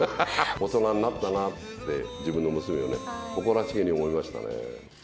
大人になったなって、自分の娘をね、誇らしげに思いましたね。